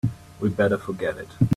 We'd better forget it.